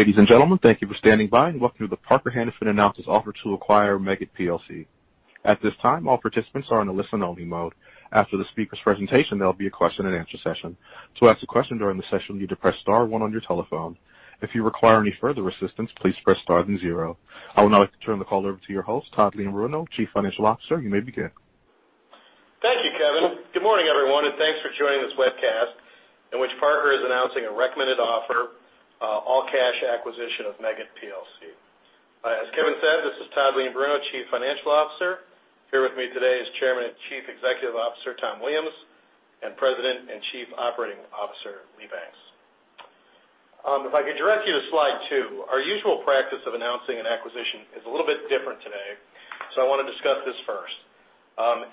Ladies and gentlemen, thank you for standing by and welcome to the Parker-Hannifin Analysis Offer to acquire Meggitt PLC. At this time, all participants are in a listen-only mode. After the speaker's presentation, there will be a question-and-answer session. To ask a question during the session, you need to press star one on your telephone. If you require any further assistance, please press star then zero. I would now like to turn the call over to your host, Todd Leombruno, Chief Financial Officer. You may begin. Thank you, Kevin. Good morning, everyone, thanks for joining this webcast in which Parker is announcing a recommended offer, all-cash acquisition of Meggitt PLC. As Kevin said, this is Todd Leombruno, Chief Financial Officer. Here with me today is Chairman and Chief Executive Officer, Tom Williams, and President and Chief Operating Officer, Lee Banks. If I could direct you to slide two, our usual practice of announcing an acquisition is a little bit different today, so I want to discuss this first.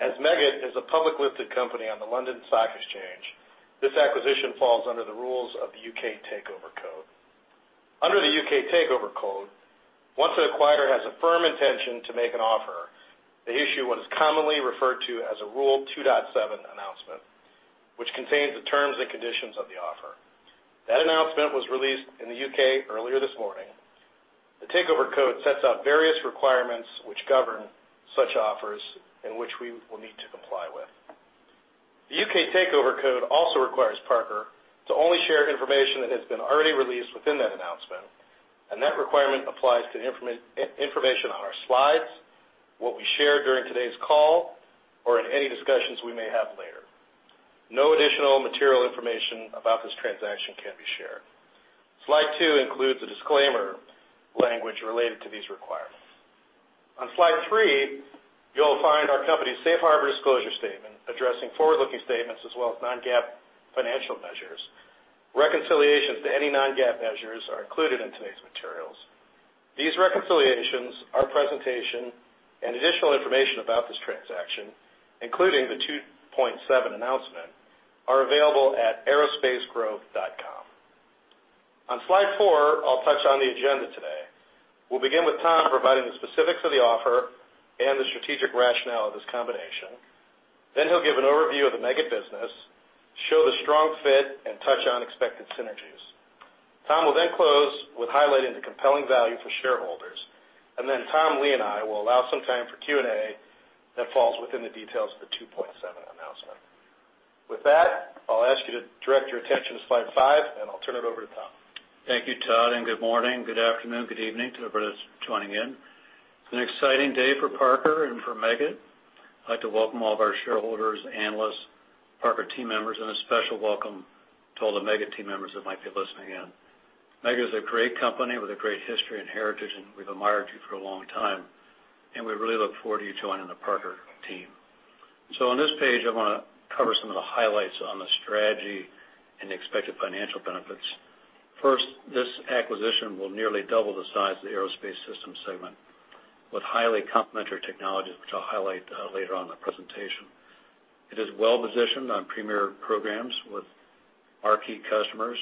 As Meggitt is a public listed company on the London Stock Exchange, this acquisition falls under the rules of the UK Takeover Code. Under the UK Takeover Code, once an acquirer has a firm intention to make an offer, they issue what is commonly referred to as a Rule 2.7 announcement, which contains the terms and conditions of the offer. That announcement was released in the U.K. earlier this morning. The Takeover Code sets out various requirements which govern such offers and which we will need to comply with. The U.K. Takeover Code also requires Parker to only share information that has been already released within that announcement, and that requirement applies to information on our slides, what we share during today's call, or in any discussions we may have later. No additional material information about this transaction can be shared. Slide two includes a disclaimer language related to these requirements. On slide three, you'll find our company's Safe Harbor disclosure statement addressing forward-looking statements as well as non-GAAP financial measures. Reconciliations to any non-GAAP measures are included in today's materials. These reconciliations, our presentation, and additional information about this transaction, including the Rule 2.7 announcement, are available at aerospacegrowth.com. On slide four, I'll touch on the agenda today. We'll begin with Tom providing the specifics of the offer and the strategic rationale of this combination. He'll give an overview of the Meggitt business, show the strong fit, and touch on expected synergies. Tom will then close with highlighting the compelling value for shareholders. Tom, Lee, and I will allow some time for Q&A that falls within the details of the Rule 2.7 announcement. With that, I'll ask you to direct your attention to slide five. I'll turn it over to Tom. Thank you, Todd. Good morning, good afternoon, good evening to everybody that's joining in. It's an exciting day for Parker and for Meggitt. I'd like to welcome all of our shareholders, analysts, Parker team members, and a special welcome to all the Meggitt team members that might be listening in. Meggitt is a great company with a great history and heritage, and we've admired you for a long time, and we really look forward to you joining the Parker team. On this page, I want to cover some of the highlights on the strategy and expected financial benefits. First, this acquisition will nearly double the size of the Aerospace System Segment with highly complementary technologies, which I'll highlight later on in the presentation. It is well-positioned on premier programs with our key customers,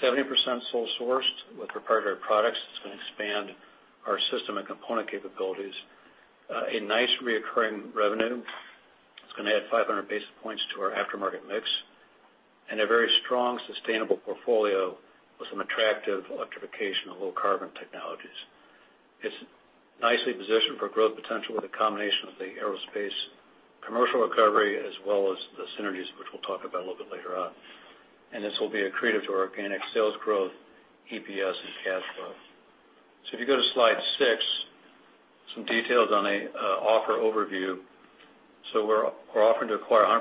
70% sole sourced with proprietary products. It's going to expand our system and component capabilities. A nice recurring revenue. It's going to add 500 basis points to our aftermarket mix, and a very strong, sustainable portfolio with some attractive electrification and low carbon technologies. It's nicely positioned for growth potential with a combination of the aerospace commercial recovery as well as the synergies, which we'll talk about a little bit later on. This will be accretive to our organic sales growth, EPS and cash flow. If you go to slide six, some details on a offer overview. We're offering to acquire 100%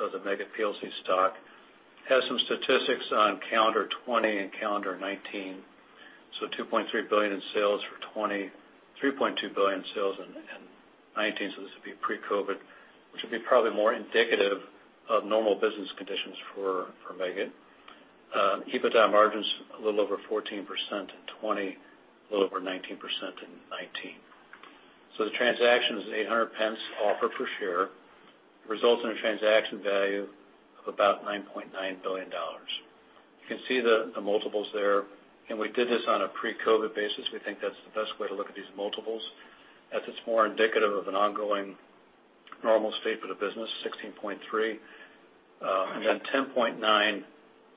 of the Meggitt PLC stock. Has some statistics on calendar 2020 and calendar 2019. $2.3 billion in sales for 2020, $3.2 billion sales in 2019, so this would be pre-COVID, which would be probably more indicative of normal business conditions for Meggitt. EBITDA margins, a little over 14% in 2020, a little over 19% in 2019. The transaction is 8.00 offer per share. This results in a transaction value of about $9.9 billion. You can see the multiples there. We did this on a pre-COVID basis. We think that's the best way to look at these multiples, as it's more indicative of an ongoing normal state of the business, 16.3x. Then 10.9x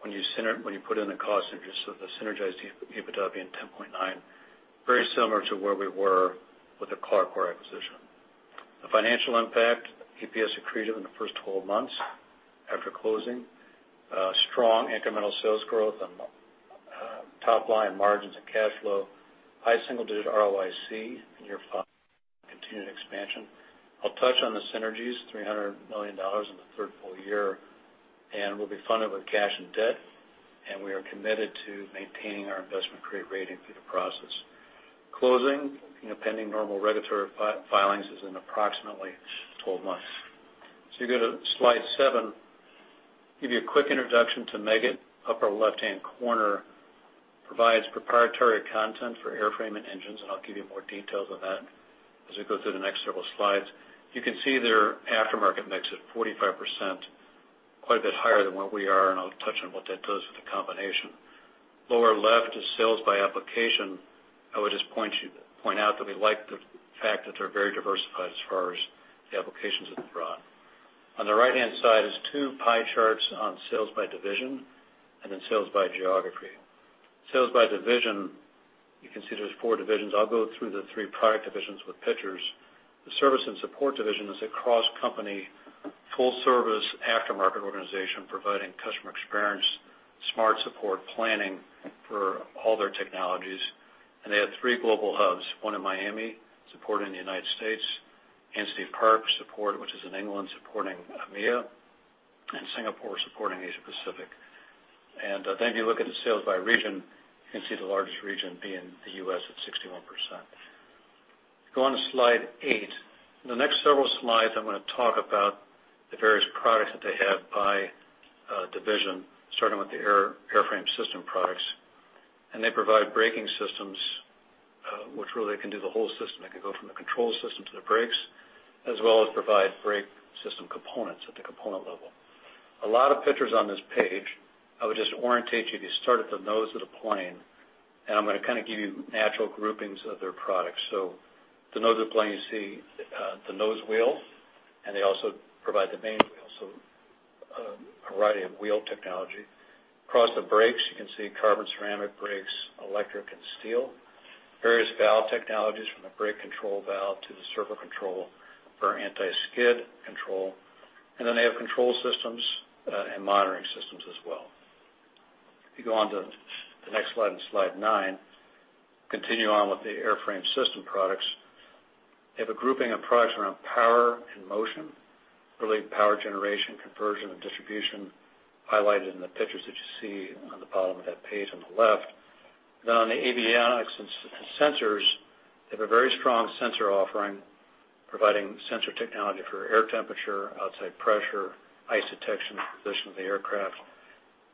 when you put in the cost and just so the synergized EBITDA being 10.9x, very similar to where we were with the CLARCOR acquisition. The financial impact, EPS accretive in the first 12 months after closing. Strong incremental sales growth on top line margins and cash flow. High single digit ROIC in year five, continued expansion. I'll touch on the synergies, $300 million in the third full year. We'll be funded with cash and debt, and we are committed to maintaining our investment-grade rating through the process. Closing, pending normal regulatory filings, is in approximately 12 months. You go to slide seven, give you a quick introduction to Meggitt. Upper left-hand corner provides proprietary content for airframe and engines, and I'll give you more details on that as we go through the next several slides. You can see their aftermarket mix at 45%, quite a bit higher than what we are, and I'll touch on what that does with the combination. Lower left is sales by application. I would just point out that we like the fact that they're very diversified as far as the applications that they're on. On the right-hand side is two pie charts on sales by division and then sales by geography. Sales by division, you can see there's four divisions. I'll go through the three product divisions with pictures. The Service and Support division is a cross-company, full service aftermarket organization providing customer experience, smart support planning for all their technologies. They have three global hubs, one in Miami, supporting the United States, Ansty Park support, which is in England, supporting EMEIA, and Singapore supporting Asia Pacific. If you look at the sales by region, you can see the largest region being the U.S. at 61%. Go on to slide eight. In the next several slides, I'm going to talk about the various products that they have by division, starting with the airframe system products. They provide braking systems, which really can do the whole system. They can go from the control system to the brakes, as well as provide brake system components at the component level. A lot of pictures on this page. I would just orientate you to start at the nose of the plane. I'm going to kind of give you natural groupings of their products. The nose of the plane, you see the nose wheel. They also provide the main wheel. A variety of wheel technology. Across the brakes, you can see carbon ceramic brakes, electric and steel. Various valve technologies from the brake control valve to the servo control for anti-skid control. They have control systems and monitoring systems as well. If you go on to the next slide nine, continue on with the airframe system products. They have a grouping of products around power and motion, really power generation, conversion, and distribution highlighted in the pictures that you see on the bottom of that page on the left. On the avionics and sensors, they have a very strong sensor offering, providing sensor technology for air temperature, outside pressure, ice detection, position of the aircraft,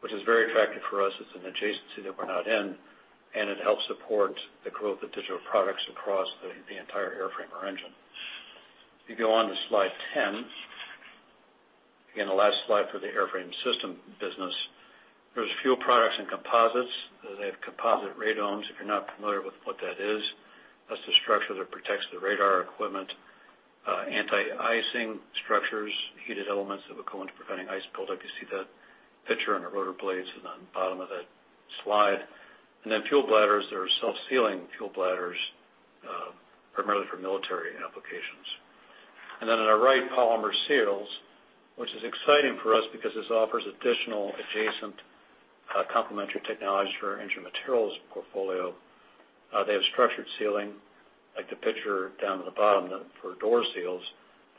which is very attractive for us. It's an adjacency that we're not in, and it helps support the quote, the digital products across the entire airframe or engine. If you go on to slide 10, again, the last slide for the Airframe System business, there's fuel products and composites. They have composite radomes. If you're not familiar with what that is, that's the structure that protects the radar equipment. Anti-icing structures, heated elements that would go into preventing ice buildup. You see that picture on the rotor blades on the bottom of that slide. Fuel bladders that are self-sealing fuel bladders, primarily for military applications. Then in our right, polymer seals, which is exciting for us because this offers additional adjacent complementary technology for our engine materials portfolio. They have structured sealing, like the picture down at the bottom for door seals.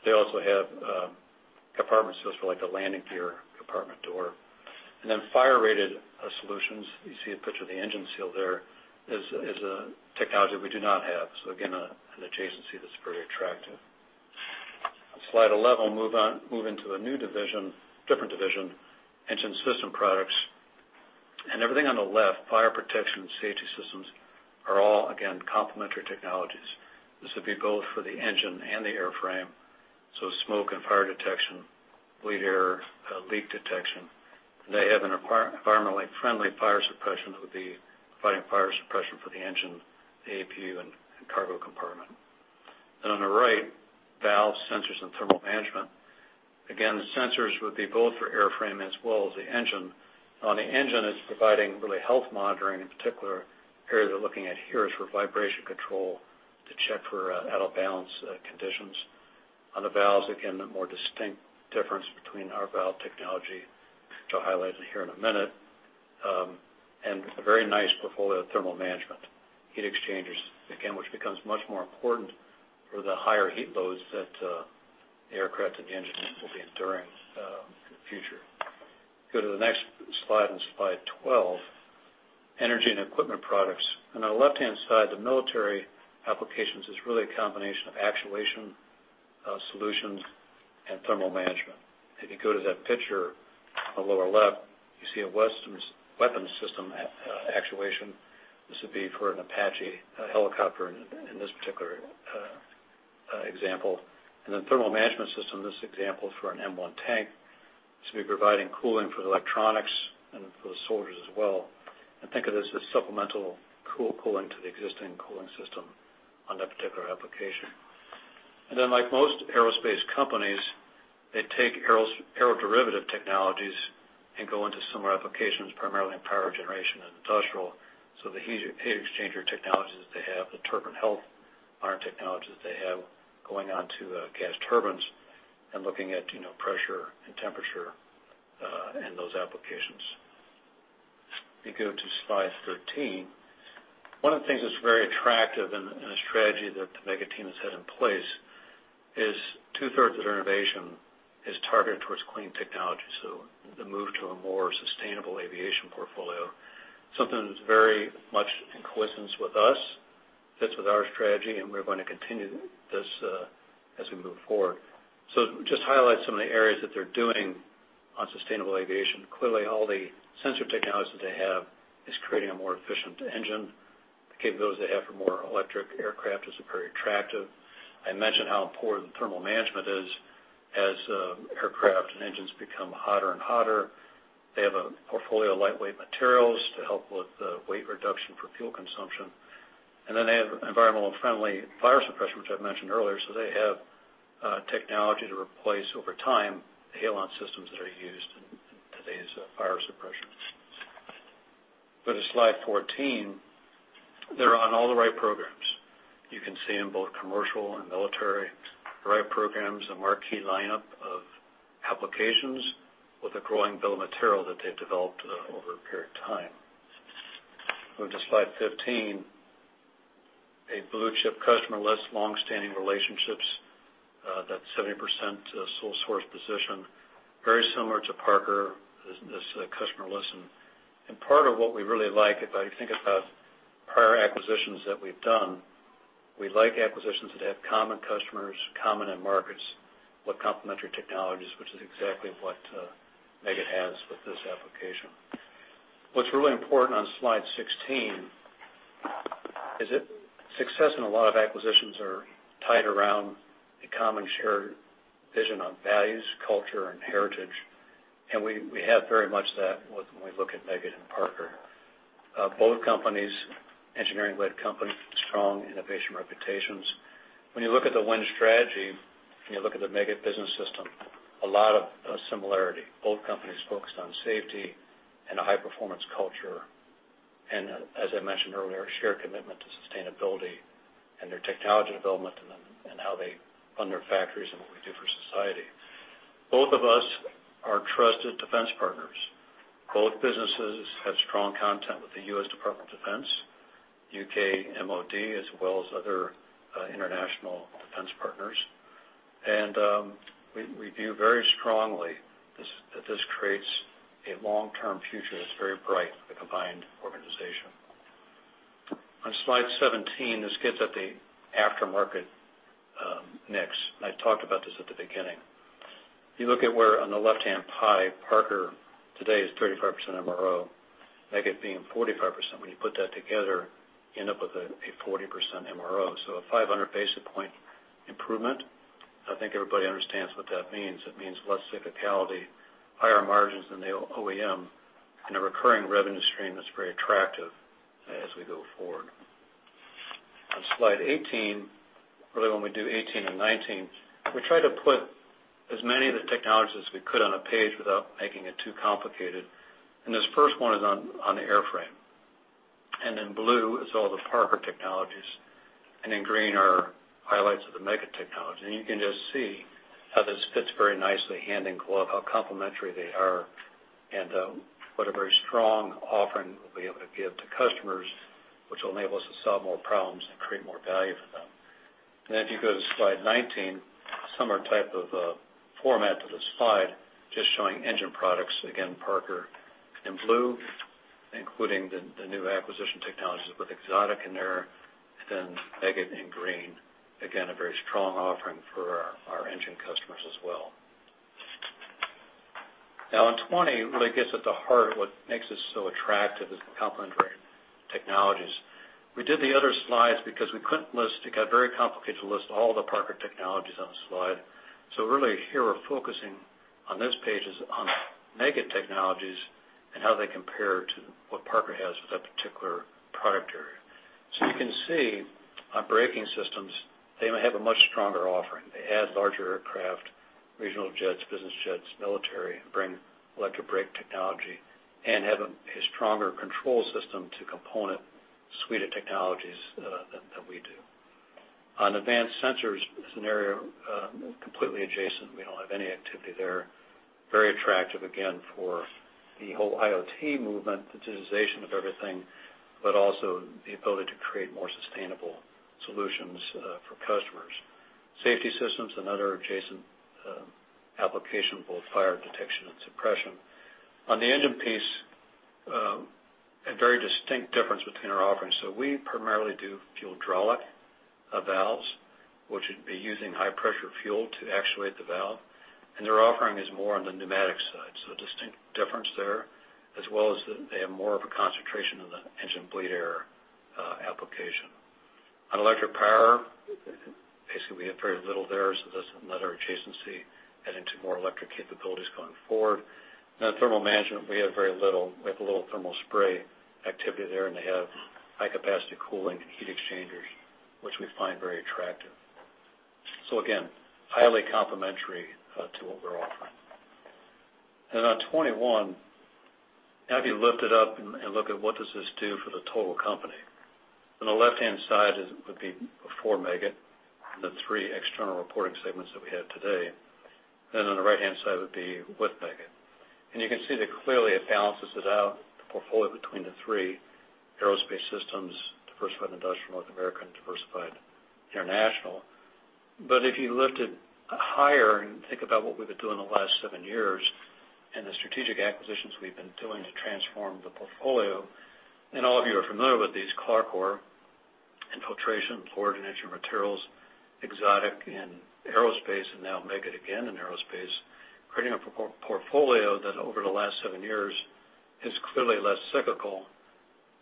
They also have compartment seals for a landing gear compartment door. Then fire-rated solutions. You see a picture of the engine seal there, is a technology we do not have. Again, an adjacency that's very attractive. Slide 11, move into a new division, different division, engine system products. Everything on the left, fire protection and safety systems, are all, again, complementary technologies. This would be both for the engine and the airframe, so smoke and fire detection, bleed air leak detection. They have an environmentally friendly fire suppression that would be fighting fire suppression for the engine, the APU, and cargo compartment. On the right, valve sensors and thermal management. Again, the sensors would be both for airframe as well as the engine. On the engine, it's providing really health monitoring. In particular, the area they're looking at here is for vibration control to check for out of balance conditions. On the valves, again, the more distinct difference between our valve technology, which I'll highlight here in a minute. A very nice portfolio of thermal management. Heat exchangers, again, which becomes much more important for the higher heat loads that aircraft and engines will be enduring in the future. Go to the next slide, on slide 12, energy and equipment products. On the left-hand side, the military applications is really a combination of actuation solutions and thermal management. If you go to that picture on the lower left, you see a weapons system actuation. This would be for an Apache helicopter in this particular example. Thermal management system, this example is for an M1 tank. This will be providing cooling for the electronics and for the soldiers as well. Think of this as supplemental cooling to the existing cooling system on that particular application. Like most aerospace companies, they take aeroderivative technologies and go into similar applications, primarily in power generation and industrial. The heat exchanger technologies that they have, the turbine health monitoring technologies they have, going on to gas turbines, and looking at pressure and temperature in those applications. If you go to slide 13, one of the things that's very attractive in the strategy that the Meggitt team has had in place is two-thirds of their innovation is targeted towards clean technology. The move to a more sustainable aviation portfolio, something that's very much in coalescence with us, fits with our strategy, and we're going to continue this as we move forward. Just to highlight some of the areas that they're doing on sustainable aviation. Clearly, all the sensor technologies that they have is creating a more efficient engine. The capabilities they have for more electric aircraft is very attractive. I mentioned how important thermal management is as aircraft and engines become hotter and hotter. They have a portfolio of lightweight materials to help with the weight reduction for fuel consumption. They have environmental friendly fire suppression, which I've mentioned earlier. They have technology to replace, over time, the halon systems that are used in today's fire suppression systems. Go to slide 14. They're on all the right programs. You can see in both commercial and military, the right programs, the marquee lineup of applications, with a growing bill of material that they've developed over a period of time. Go to slide 15. A blue-chip customer list, longstanding relationships, that's 70% sole source position, very similar to Parker, this customer list. Part of what we really like, if I think about prior acquisitions that we've done, we like acquisitions that have common customers, common end markets with complementary technologies, which is exactly what Meggitt has with this application. What's really important on slide 16 is that success in a lot of acquisitions are tied around a common shared vision on values, culture, and heritage. We have very much that when we look at Meggitt and Parker. Both companies, engineering-led companies, strong innovation reputations. When you look at the Win Strategy, when you look at the Meggitt business system, a lot of similarity. Both companies focused on safety and a high-performance culture. As I mentioned earlier, a shared commitment to sustainability and their technology development and how they run their factories and what we do for society. Both of us are trusted defense partners. Both businesses have strong content with the US Department of Defense, U.K. MOD, as well as other international defense partners. We view very strongly that this creates a long-term future that is very bright for the combined organization. On slide 17, this gets at the aftermarket mix. I talked about this at the beginning. If you look at where on the left-hand pie, Parker today is 35% MRO, Meggitt being 45%. When you put that together, you end up with a 40% MRO. A 500 basis point improvement. I think everybody understands what that means. It means less cyclicality, higher margins than the OEM, and a recurring revenue stream that's very attractive as we go forward. On slide 18, really when we do 18 and 19, we try to put as many of the technologies as we could on a page without making it too complicated. This first one is on the airframe. In blue is all the Parker technologies, and in green are highlights of the Meggitt technology. You can just see how this fits very nicely hand in glove, how complementary they are, and what a very strong offering we'll be able to give to customers, which will enable us to solve more problems and create more value for them. Then if you go to slide 19, similar type of format to the slide, just showing engine products. Again, Parker in blue, including the new acquisition technologies with Exotic and Air, then Meggitt in green. Again, a very strong offering for our engine customers as well. On slide 20, really gets at the heart of what makes this so attractive is the complementary technologies. We did the other slides because we couldn't list, it got very complicated to list all the Parker technologies on a slide. Really here we're focusing on those pages on Meggitt technologies and how they compare to what Parker has with that particular product area. You can see on braking systems, they have a much stronger offering. They add larger aircraft, regional jets, business jets, military, and bring electric brake technology and have a stronger control system to component suite of technologies than we do. On advanced sensors scenario, completely adjacent. We don't have any activity there. Very attractive again, for the whole IoT movement, the digitization of everything, but also the ability to create more sustainable solutions for customers. Safety systems, another adjacent application, both fire detection and suppression. On the engine piece, a very distinct difference between our offerings. We primarily do fuel hydraulic valves, which would be using high pressure fuel to actuate the valve, and their offering is more on the pneumatic side. A distinct difference there, as well as they have more of a concentration on the engine bleed air application. On electric power, basically we have very little there, so this is another adjacency, adding to more electric capabilities going forward. Thermal management, we have very little. We have a little thermal spray activity there, and they have high capacity cooling and heat exchangers, which we find very attractive. Again, highly complementary to what we're offering. On slide 21, if you lift it up and look at what does this do for the total company? On the left-hand side is, would be before Meggitt, the three external reporting segments that we have today. On the right-hand side would be with Meggitt. You can see that clearly it balances it out, the portfolio between the three, Aerospace Systems, Diversified Industrial North America, and Diversified International. If you lifted higher and think about what we've been doing the last seven years and the strategic acquisitions we've been doing to transform the portfolio, and all of you are familiar with these, CLARCOR and Filtration, LORD and Engine Materials, Exotic in aerospace, and now Meggitt again in aerospace, creating a portfolio that over the last seven years is clearly less cyclical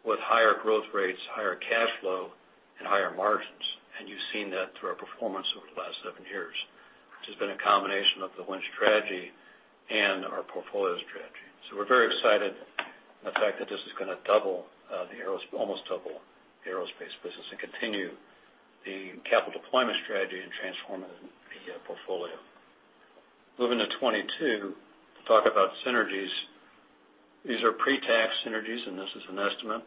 with higher growth rates, higher cash flow, and higher margins. You've seen that through our performance over the last seven years, which has been a combination of the Win Strategy and our portfolios strategy. We're very excited in the fact that this is going to almost double the aerospace business and continue the capital deployment strategy in transforming the portfolio. Moving to slide 22, to talk about synergies. These are pre-tax synergies, and this is an estimate.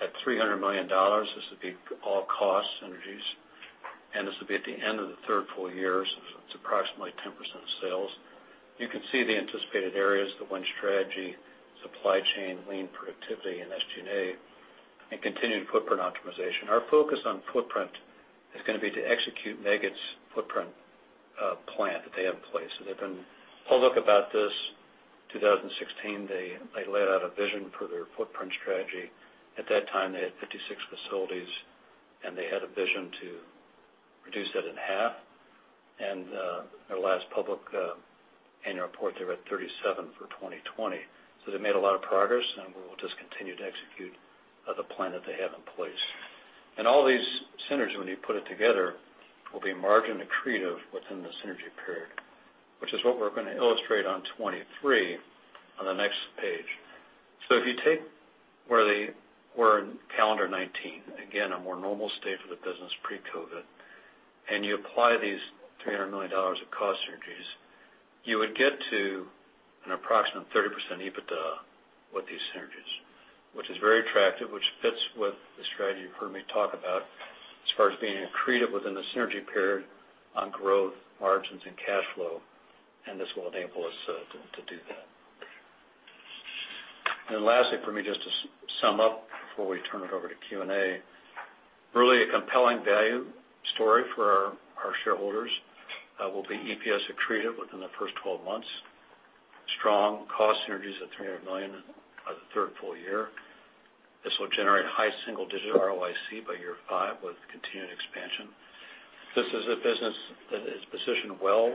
At $300 million, this would be all cost synergies. This will be at the end of the third full year, it's approximately 10% of sales. You can see the anticipated areas, the Win Strategy, supply chain, lean productivity and SG&A, continued footprint optimization. Our focus on footprint is going to be to execute Meggitt's footprint plan that they have in place. They've been public about this. 2016, they laid out a vision for their footprint strategy. At that time, they had 56 facilities, they had a vision to reduce that in half. Their last public annual report, they were at 37 for 2020. They made a lot of progress, we will just continue to execute the plan that they have in place. All these synergies, when you put it together, will be margin accretive within the synergy period, which is what we're going to illustrate on 2023 on the next page. If you take where they were in calendar 2019, again, a more normal state for the business pre-COVID, and you apply these $300 million of cost synergies, you would get to an approximate 30% EBITDA with these synergies, which is very attractive, which fits with the strategy you've heard me talk about as far as being accretive within the synergy period on growth, margins, and cash flow. This will enable us to do that. Lastly for me, just to sum up before we turn it over to Q&A. A compelling value story for our shareholders. We'll be EPS accretive within the first 12 months. Strong cost synergies of $300 million by the third full year. This will generate high single-digit ROIC by year five with continuing expansion. This is a business that is positioned well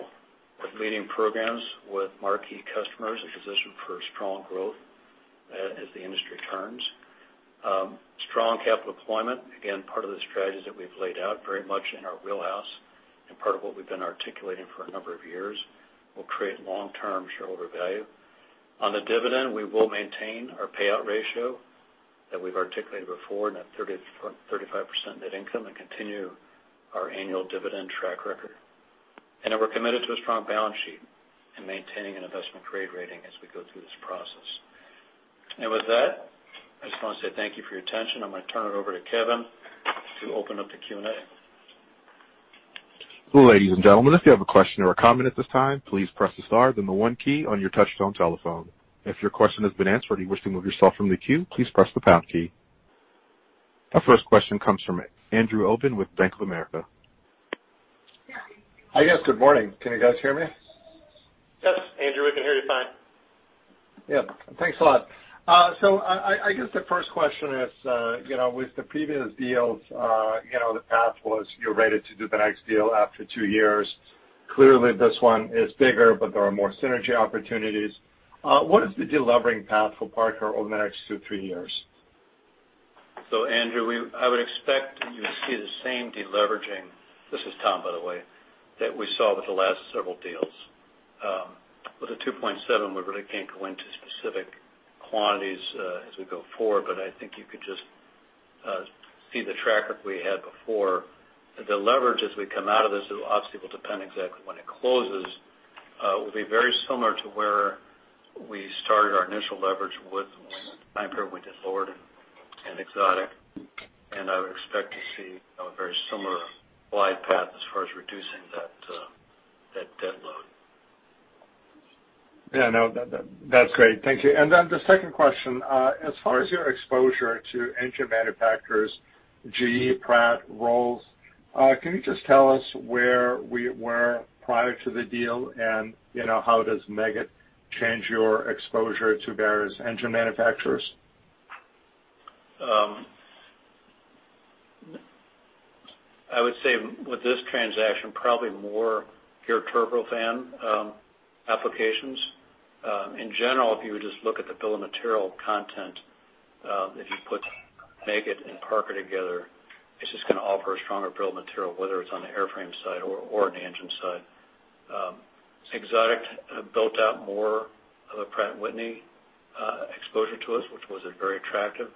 with leading programs, with marquee customers, and positioned for strong growth as the industry turns. Strong capital deployment, again, part of the strategies that we've laid out, very much in our wheelhouse, and part of what we've been articulating for a number of years. We'll create long-term shareholder value. On the dividend, we will maintain our payout ratio that we've articulated before, net 35% net income, and continue our annual dividend track record. We're committed to a strong balance sheet and maintaining an investment-grade rating as we go through this process. With that, I just want to say thank you for your attention. I'm going to turn it over to Kevin to open up the Q&A. Ladies and gentlemen if you have a question or a comment at this time please press star and the one key on your touch-tone telephone. If your question has been answered and you wish to remove yourself from the queue press the pound key. Our first question comes from Andrew Obin with Bank of America. Hi, guys. Good morning. Can you guys hear me? Yes, Andrew, we can hear you fine. Yeah. Thanks a lot. I guess the first question is, with the previous deals, the path was you're ready to do the next deal after two years. Clearly, this one is bigger, but there are more synergy opportunities. What is the delevering path for Parker-Hannifin over the next two to three years? Andrew, I would expect you to see the same deleveraging, this is Tom, by the way, that we saw with the last several deals. With the Rule 2.7, we really can't go into specific quantities as we go forward, I think you could just see the track record we had before. The leverage as we come out of this, it obviously will depend exactly when it closes, will be very similar to where we started our initial leverage with with just LORD and Exotic, I would expect to see a very similar flight path as far as reducing that debt load. Yeah, no, that's great. Thank you. The second question, as far as your exposure to engine manufacturers, GE, Pratt, Rolls, can you just tell us where we were prior to the deal, and how does Meggitt change your exposure to various engine manufacturers? I would say with this transaction, probably more pure turbofan applications. In general, if you would just look at the bill of material content, if you put Meggitt and Parker together, it is just going to offer a stronger bill of material, whether it is on the airframe side or on the engine side. Exotic built out more of the Pratt & Whitney exposure to us, which was very attractive,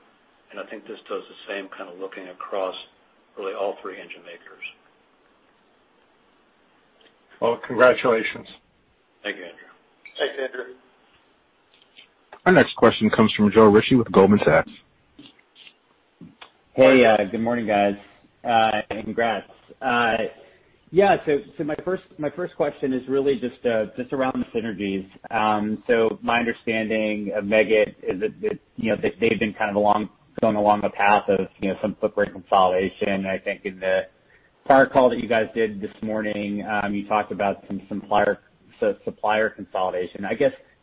and I think this does the same kind of looking across really all three engine makers. Well, congratulations. Thank you, Andrew. Thanks, Andrew. Our next question comes from Joe Ritchie with Goldman Sachs. Hey. Good morning, guys. Congrats. My first question is really just around the synergies. My understanding of Meggitt is that they've been going along the path of some footprint consolidation. I think in the prior call that you guys did this morning, you talked about some supplier consolidation.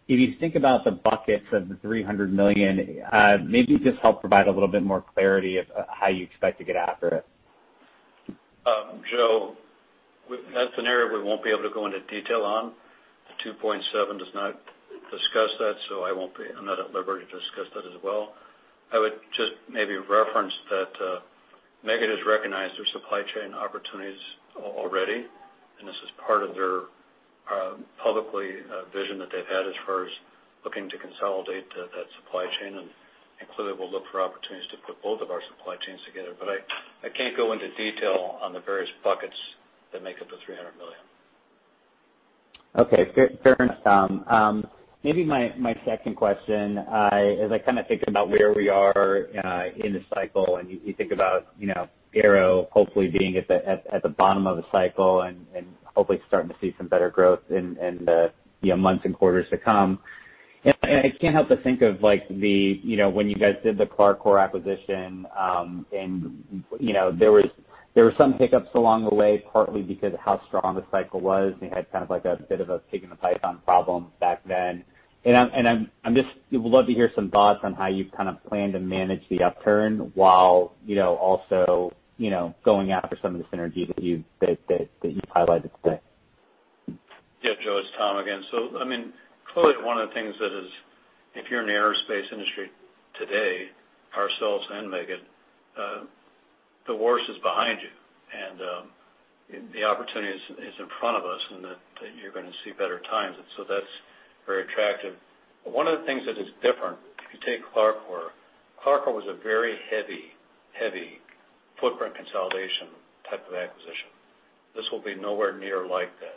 If you think about the buckets of the $300 million, maybe just help provide a little bit more clarity of how you expect to get after it. That's an area we won't be able to go into detail on. The Rule 2.7 does not discuss that, so I'm not at liberty to discuss that as well. I would just maybe reference that Meggitt has recognized their supply chain opportunities already, and this is part of their public vision that they've had as far as looking to consolidate that supply chain, and clearly, we'll look for opportunities to put both of our supply chains together. I can't go into detail on the various buckets that make up the $300 million. Okay, fair. Maybe my second question, as I think about where we are in the cycle, and you think about Aero hopefully being at the bottom of the cycle and hopefully starting to see some better growth in the months and quarters to come. I can't help but think of when you guys did the CLARCOR acquisition, and there were some hiccups along the way, partly because of how strong the cycle was, and you had kind of a bit of a pig and the python problem back then. I would love to hear some thoughts on how you plan to manage the upturn while also going after some of the synergies that you've highlighted today. Yeah, Joe, it's Tom again. Clearly, one of the things that is, if you're in the aerospace industry today, ourselves and Meggitt, the worst is behind you, and the opportunity is in front of us, and that you're going to see better times. That's very attractive. One of the things that is different, if you take CLARCOR, CLARCOR was a very heavy, heavy footprint consolidation type of acquisition. This will be nowhere near like that.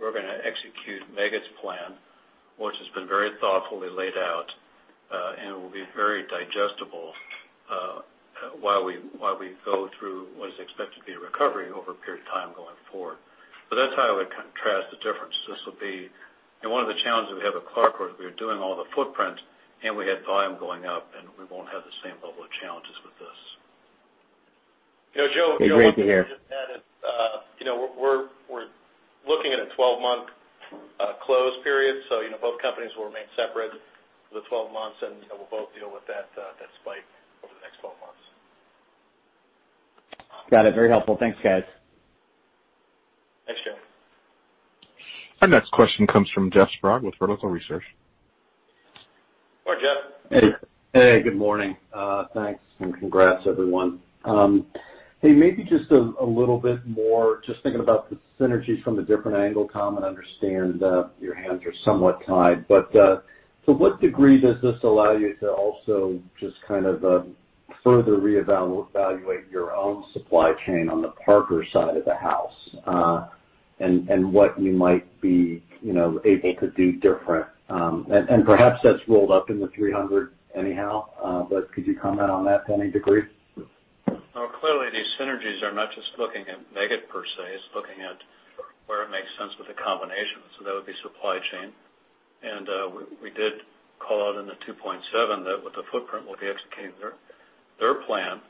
We're going to execute Meggitt's plan, which has been very thoughtfully laid out, and will be very digestible, while we go through what is expected to be a recovery over a period of time going forward. That's how I would contrast the difference. One of the challenges we have at CLARCOR is we were doing all the footprint, and we had volume going up, and we won't have the same level of challenges with this. Great to hear. Joe, one thing I'll just add is we're looking at a 12-month close period, both companies will remain separate for the 12 months, and we'll both deal with that spike over the next 12 months. Got it. Very helpful. Thanks, guys. Thanks, Joe. Our next question comes from Jeff Sprague with Vertical Research. Hi, Jeff. Hey, good morning. Thanks, and congrats everyone. Hey, maybe just a little bit more, just thinking about the synergies from a different angle, Tom. I understand your hands are somewhat tied, but to what degree does this allow you to also just kind of further reevaluate your own supply chain on the Parker-Hannifin side of the house? What you might be able to do different. Perhaps that's rolled up in the $300 million anyhow. Could you comment on that to any degree? Well, clearly, these synergies are not just looking at Meggitt per se. It's looking at where it makes sense with the combination. That would be supply chain. We did call out in the Rule 2.7 that with the footprint, we'll be executing their plan,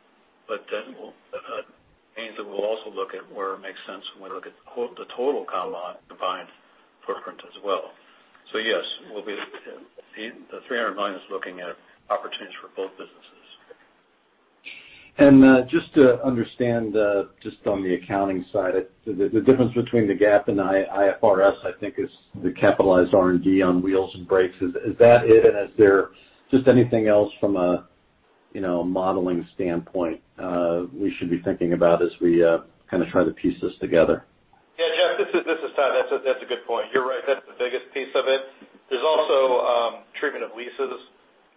it means that we'll also look at where it makes sense when we look at the total combined footprint as well. Yes, the $300 million is looking at opportunities for both businesses. Just to understand, just on the accounting side, the difference between the GAAP and IFRS, I think is the capitalized R&D on wheels and brakes. Is that it? Is there just anything else from a modeling standpoint we should be thinking about as we kind of try to piece this together? Yeah, Jeff, this is Todd. That's a good point. You're right, that's the biggest piece of it. There's also treatment of leases,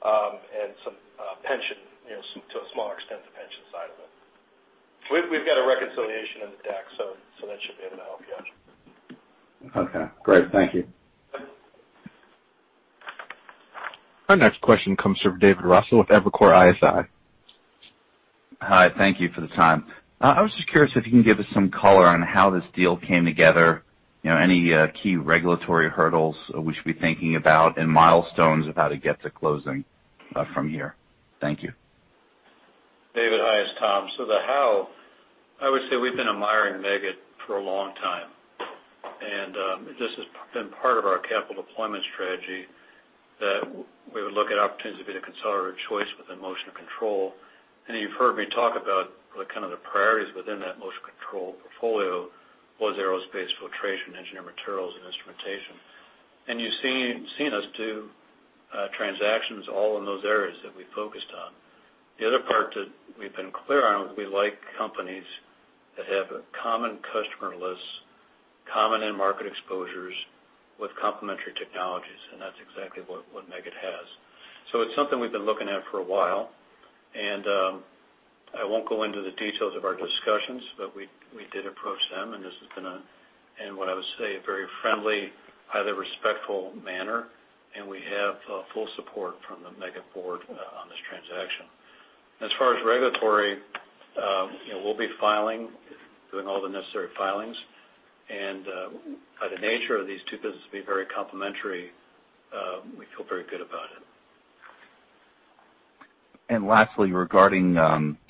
and to a smaller extent, the pension side of it. We've got a reconciliation in the deck, so that should be able to help you out. Okay, great. Thank you. Our next question comes from David Raso with Evercore ISI. Hi. Thank you for the time. I was just curious if you can give us some color on how this deal came together, any key regulatory hurdles we should be thinking about, and milestones of how to get to closing from here. Thank you. David, hi. It's Tom. The how, I would say we've been admiring Meggitt for a long time. This has been part of our capital deployment strategy that we would look at opportunities to be the consolidator of choice within motion and control. You've heard me talk about the kind of the priorities within that motion control portfolio was aerospace, filtration, engineered materials, and instrumentation. You've seen us do transactions all in those areas that we focused on. The other part that we've been clear on is we like companies that have a common customer list, common end market exposures with complementary technologies, and that's exactly what Meggitt has. It's something we've been looking at for a while. I won't go into the details of our discussions, but we did approach them, and this has been in what I would say, a very friendly, highly respectful manner, and we have full support from the Meggitt Board on this transaction. As far as regulatory, we'll be doing all the necessary filings. By the nature of these two businesses being very complementary, we feel very good about it. Lastly, regarding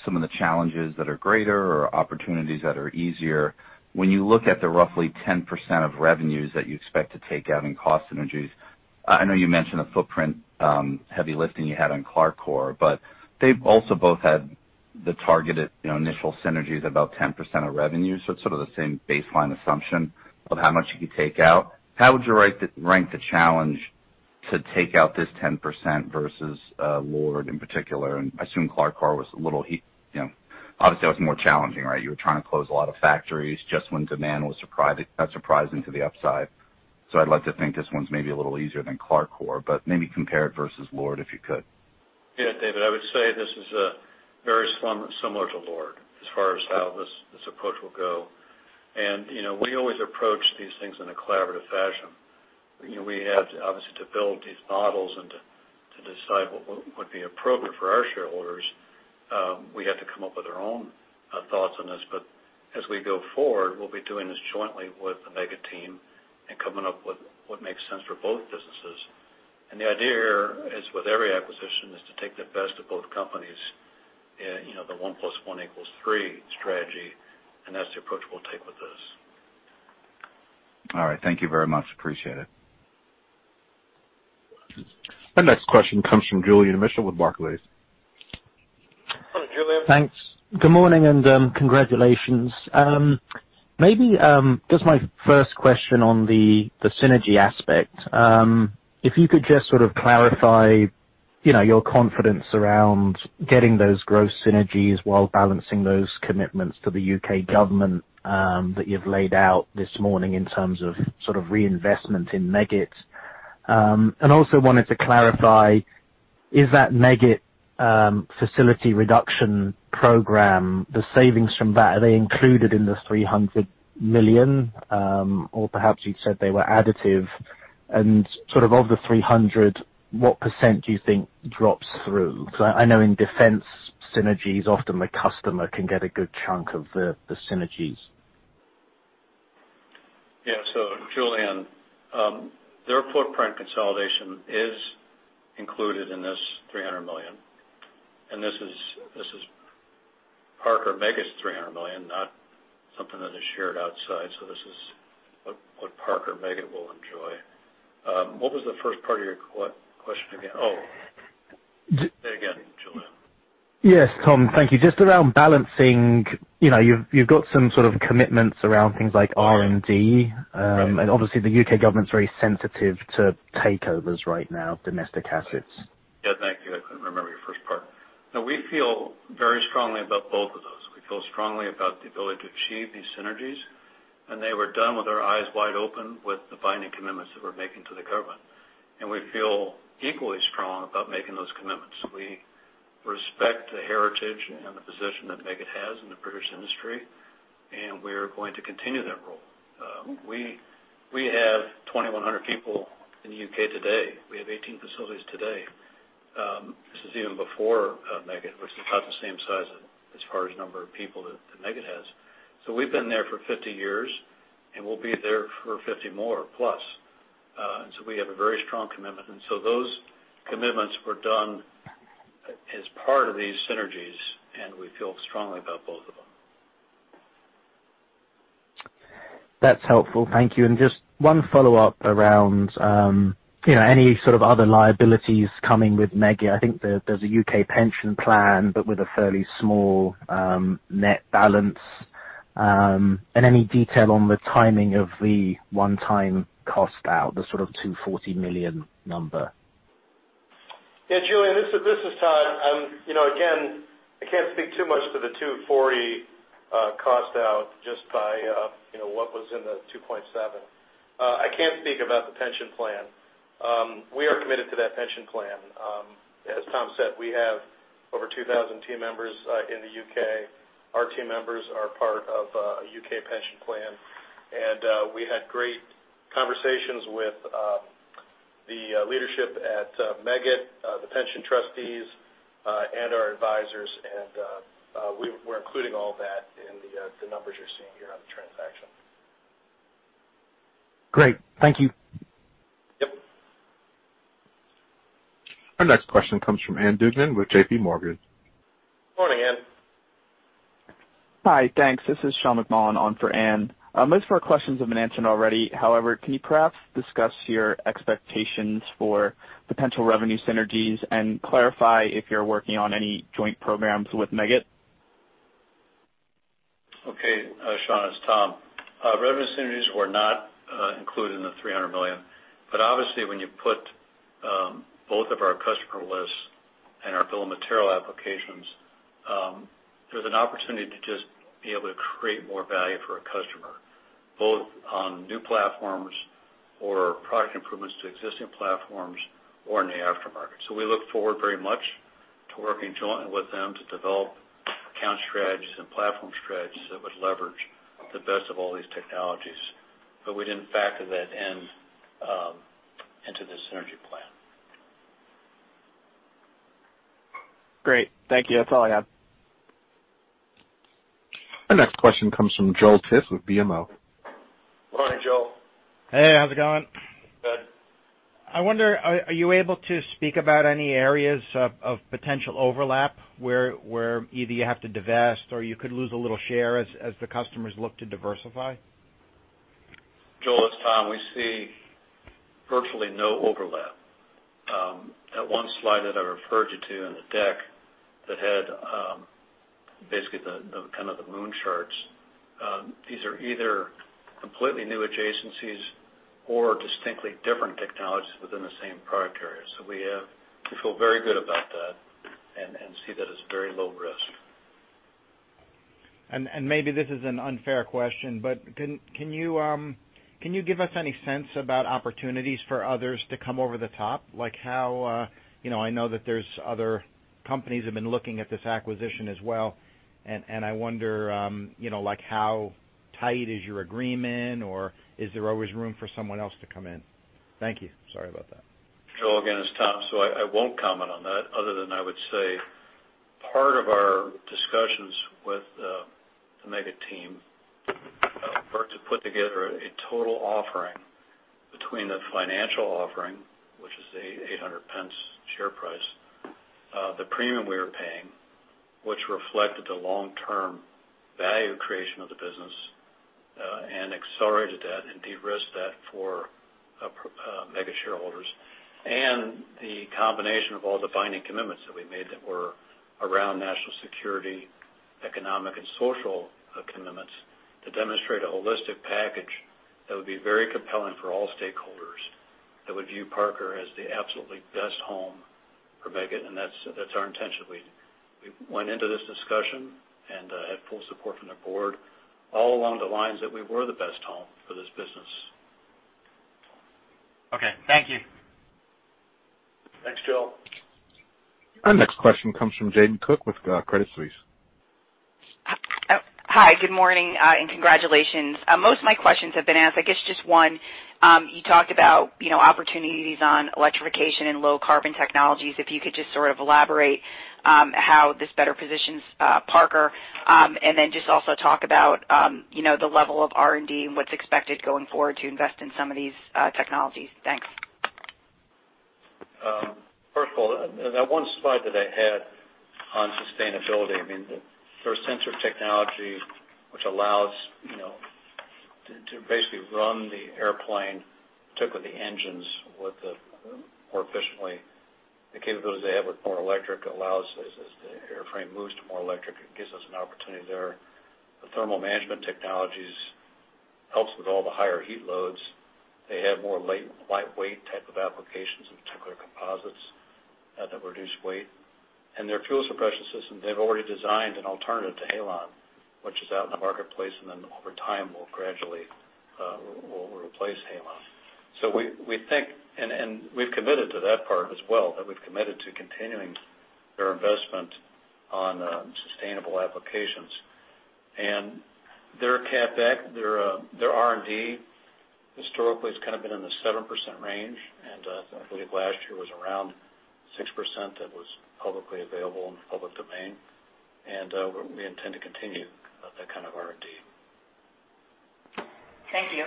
some of the challenges that are greater or opportunities that are easier, when you look at the roughly 10% of revenues that you expect to take out in cost synergies, I know you mentioned a footprint heavy lifting you had on CLARCOR. The targeted initial synergies about 10% of revenue. It is sort of the same baseline assumption of how much you could take out. How would you rank the challenge to take out this 10% versus LORD in particular? I assume CLARCOR was. Obviously that was more challenging, right? You were trying to close a lot of factories just when demand was surprising to the upside. I would like to think this one is maybe a little easier than CLARCOR, but maybe compare it versus LORD, if you could. Yeah, David, I would say this is very similar to LORD Corporation as far as how this approach will go. We always approach these things in a collaborative fashion. We have, obviously, to build these models and to decide what would be appropriate for our shareholders. We have to come up with our own thoughts on this, but as we go forward, we'll be doing this jointly with the Meggitt PLC team and coming up with what makes sense for both businesses. The idea here is with every acquisition is to take the best of both companies, the one plus one equals three strategy, and that's the approach we'll take with this. All right. Thank you very much. Appreciate it. Our next question comes from Julian Mitchell with Barclays. Hello, Julian. Thanks. Good morning, and congratulations. My first question on the synergy aspect. Clarify your confidence around getting those growth synergies while balancing those commitments to the U.K. government that you've laid out this morning in terms of reinvestment in Meggitt. Is that Meggitt facility reduction program, the savings from that, are they included in the $300 million? Or perhaps you'd said they were additive. The $300 million, what percent do you think drops through? I know in defense synergies, often the customer can get a good chunk of the synergies. Yeah. Julian, their footprint consolidation is included in this $300 million, and this is Parker-Meggitt's $300 million, not something that is shared outside. This is what Parker-Meggitt will enjoy. What was the first part of your question again? Oh, say again, Julian. Yes, Tom, thank you. Just around balancing, you've got some sort of commitments around things like R&D. Obviously the U.K. government's very sensitive to takeovers right now of domestic assets. Yeah, thank you. I couldn't remember your first part. We feel very strongly about both of those. We feel strongly about the ability to achieve these synergies, and they were done with their eyes wide open with the binding commitments that we're making to the government. We feel equally strong about making those commitments. We respect the heritage and the position that Meggitt has in the British industry, and we're going to continue that role. We have 2,100 people in the U.K. today. We have 18 facilities today. This is even before Meggitt, which is about the same size as far as number of people that Meggitt has. We've been there for 50 years, and we'll be there for 50 more plus. We have a very strong commitment. Those commitments were done as part of these synergies, and we feel strongly about both of them. That's helpful. Thank you. Just one follow-up around any sort of other liabilities coming with Meggitt. I think there's a U.K. pension plan, but with a fairly small net balance. Any detail on the timing of the one-time cost out, the sort of $240 million number? Yeah, Julian, this is Todd. I can't speak too much to the $240 million cost out just by what was in the Rule 2.7. I can speak about the pension plan. As Tom said, we have over 2,000 team members in the U.K. Our team members are part of a U.K. pension plan. We had great conversations with the leadership at Meggitt, the pension trustees, and our advisors. We're including all that in the numbers you're seeing here on the transaction. Great. Thank you. Yep. Our next question comes from Ann Duignan with JPMorgan. Morning, Ann. Hi. Thanks. This is Sean McMullen on for Ann. Most of our questions have been answered already. Can you perhaps discuss your expectations for potential revenue synergies and clarify if you're working on any joint programs with Meggitt? Okay. Sean, it's Tom. Revenue synergies were not included in the $300 million. Obviously, when you put both of our customer lists and our bill of material applications, there's an opportunity to just be able to create more value for a customer, both on new platforms or product improvements to existing platforms or in the aftermarket. We look forward very much to working jointly with them to develop account strategies and platform strategies that would leverage the best of all these technologies. We didn't factor that into the synergy plan. Great. Thank you. That's all I have. Our next question comes from Joel Tiss with BMO. Morning, Joel. Hey, how's it going? Good. I wonder, are you able to speak about any areas of potential overlap where either you have to divest or you could lose a little share as the customers look to diversify? Joel, it's Tom. We see virtually no overlap. That one slide that I referred you to in the deck that had basically the moon charts, these are either completely new adjacencies or distinctly different technologies within the same product area. We feel very good about that and see that as very low risk. Maybe this is an unfair question, but can you give us any sense about opportunities for others to come over the top? I know that there's other companies have been looking at this acquisition as well, and I wonder how tight is your agreement, or is there always room for someone else to come in? Thank you. Sorry about that. Joel, again, it's Tom. I won't comment on that other than I would say part of our discussions with the Meggitt team were to put together a total offering between the financial offering, which is the 8.00 share price, the premium we were paying, which reflected the long-term value creation of the business, and accelerated that and de-risked that for Meggitt shareholders. The combination of all the binding commitments that we made that were around national security, economic, and social commitments to demonstrate a holistic package that would be very compelling for all stakeholders that would view Parker as the absolutely best home for Meggitt, and that's our intention. We went into this discussion and had full support from their board all along the lines that we were the best home for this business. Okay. Thank you. Thanks, Joel. Our next question comes from Jamie Cook with Credit Suisse. Hi, good morning, and congratulations. Most of my questions have been asked. I guess just one. You talked about opportunities on electrification and low carbon technologies. If you could just sort of elaborate how this better positions Parker-Hannifin, and then just also talk about the level of R&D and what's expected going forward to invest in some of these technologies. Thanks. First of all, that one slide that I had on sustainability, the first sensor technology, which allows to basically run the airplane, particularly the engines, more efficiently. The capabilities they have with more electric allows as the airframe moves to more electric, it gives us an opportunity there. The thermal management technologies helps with all the higher heat loads. They have more lightweight type of applications, in particular composites that reduce weight. Their fuel suppression system, they've already designed an alternative to halon, which is out in the marketplace, and then over time will gradually replace halon. We've committed to that part as well, that we've committed to continuing their investment on sustainable applications. Their CapEx, their R&D historically has kind of been in the 7% range, and I believe last year was around 6% that was publicly available in the public domain. We intend to continue that kind of R&D. Thank you.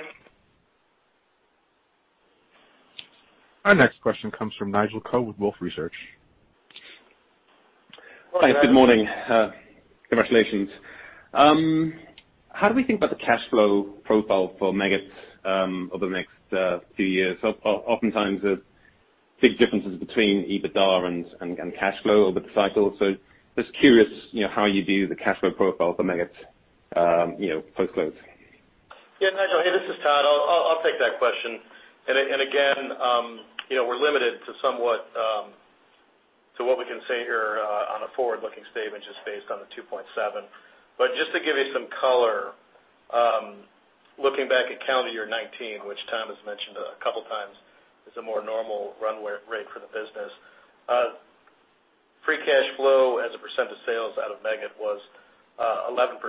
Our next question comes from Nigel Coe with Wolfe Research. Hi, good morning. Congratulations. How do we think about the cash flow profile for Meggitt over the next few years? Oftentimes, there's big differences between EBITDA and cash flow over the cycle. I'm just curious, how you view the cash flow profile for Meggitt post-close. Nigel. Hey, this is Todd. I'll take that question. Again, we're limited to somewhat to what we can say here on a forward-looking statement just based on the Rule 2.7. Just to give you some color, looking back at calendar year 2019, which Tom has mentioned a couple of times, is a more normal run-rate for the business. Free cash flow as a percent of sales out of Meggitt was 11%.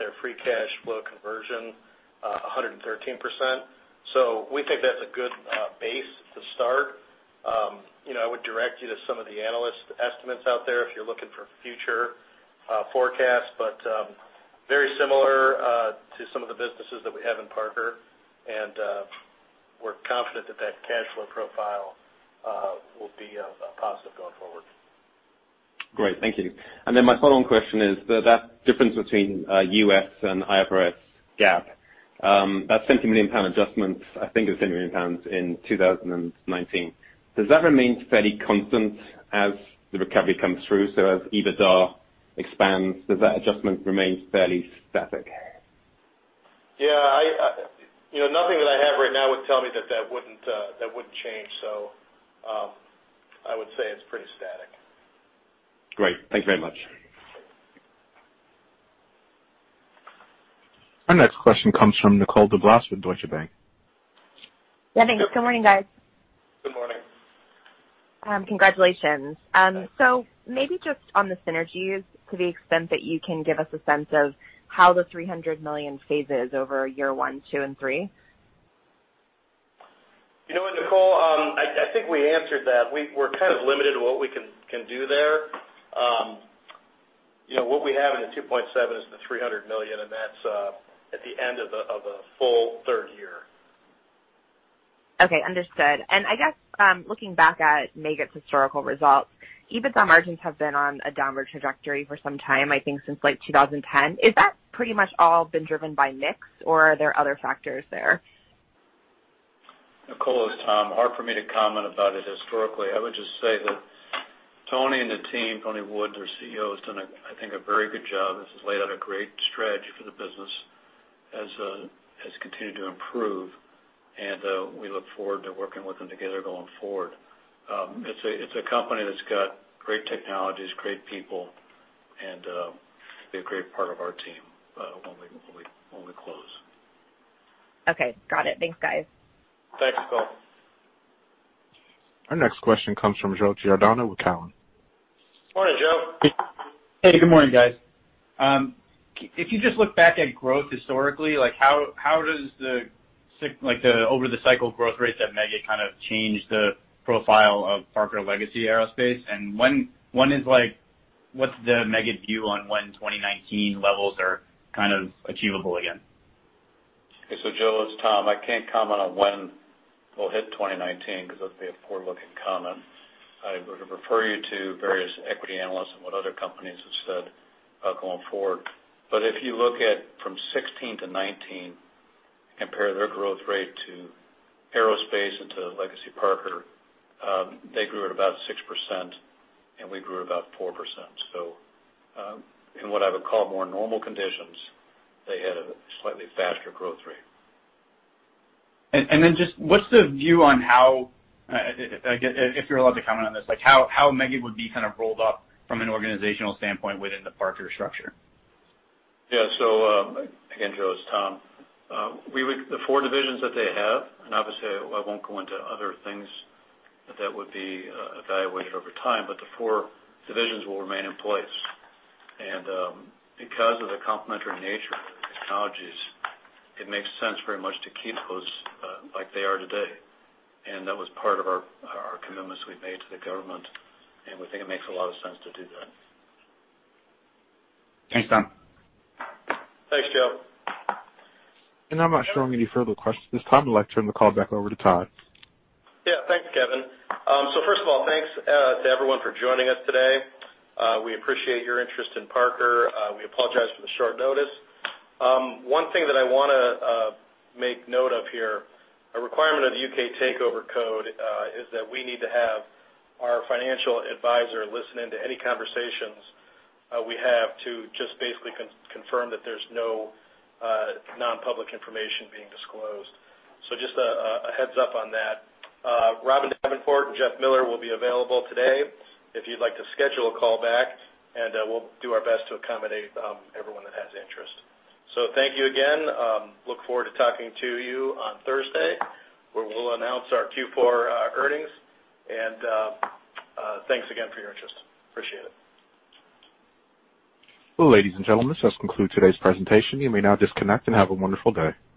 Their free cash flow conversion, 113%. We think that's a good base to start. I would direct you to some of the analyst estimates out there if you're looking for future forecasts, but very similar to some of the businesses that we have in Parker, we're confident that that cash flow profile will be positive going forward. Great. Thank you. My follow-on question is, that difference between U.S. and IFRS GAAP, that 70 million pound adjustment, I think it was 70 million pounds in 2019. Does that remain fairly constant as the recovery comes through? As EBITDA expands, does that adjustment remain fairly static? Yeah. Nothing that I have right now would tell me that that wouldn't change. I would say it's pretty static. Great. Thank you very much. Our next question comes from Nicole DeBlase with Deutsche Bank. Yeah, thanks. Good morning, guys. Good morning. Congratulations. Thanks. Maybe just on the synergies to the extent that you can give us a sense of how the $300 million phases over year one, two, and three? You know what, Nicole? I think we answered that. We're kind of limited to what we can do there. What we have in the Rule 2.7 is the $300 million. That's at the end of a full third year. Okay. Understood. I guess, looking back at Meggitt's historical results, EBITDA margins have been on a downward trajectory for some time, I think since 2010. Has that pretty much all been driven by mix, or are there other factors there? Nicole, it's Tom. Hard for me to comment about it historically. I would just say that Tony and the team, Tony Wood, their CEO, has done, I think, a very good job, has laid out a great stretch for the business as it has continued to improve, and we look forward to working with them together going forward. It's a company that's got great technologies, great people, and be a great part of our team when we close. Okay. Got it. Thanks, guys. Thanks, Nicole. Our next question comes from Joe Giordano with Cowen. Morning, Joe. Hey, good morning, guys. If you just look back at growth historically, how does the over the cycle growth rate at Meggitt kind of change the profile of Parker legacy aerospace? One is, what's the Meggitt view on when 2019 levels are kind of achievable again? Okay. Joe, it's Tom. I can't comment on when we'll hit 2019 because that would be a poor look in comment. I would refer you to various equity analysts and what other companies have said going forward. If you look at from 2016 to 2019, compare their growth rate to aerospace and to legacy Parker, they grew at about 6%, and we grew at about 4%. In what I would call more normal conditions, they had a slightly faster growth rate. Then just what's the view on how, if you're allowed to comment on this, how Meggitt would be kind of rolled up from an organizational standpoint within the Parker structure? Again, Joe, it's Tom. The four divisions that they have, obviously I won't go into other things that would be evaluated over time, the four divisions will remain in place. Because of the complementary nature of the technologies, it makes sense very much to keep those like they are today. That was part of our commitments we made to the government, we think it makes a lot of sense to do that. Thanks, Tom. Thanks, Joe. I'm not showing any further questions. This time, I'd like to turn the call back over to Todd. Yeah. Thanks, Kevin. First of all, thanks to everyone for joining us today. We appreciate your interest in Parker. We apologize for the short notice. One thing that I want to make note of here, a requirement of the U.K. Takeover Code is that we need to have our financial advisor listen into any conversations we have to just basically confirm that there's no non-public information being disclosed. Just a heads up on that. Robin Davenport and Jeff Miller will be available today if you'd like to schedule a call back, and we'll do our best to accommodate everyone that has interest. Thank you again. Look forward to talking to you on Thursday, where we'll announce our Q4 earnings. Thanks again for your interest. Appreciate it. Ladies and gentlemen, this does conclude today's presentation. You may now disconnect, and have a wonderful day.